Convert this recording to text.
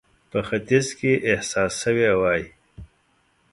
په ختیځ کې احساس سوې وای.